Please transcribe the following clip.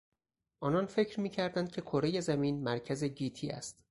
آنان فکر میکردند که کرهی زمین مرکز گیتی است.